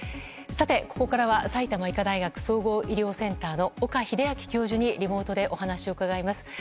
さて、ここからは埼玉医科大学総合医療センターの岡秀昭教授にリモートでお話を伺います。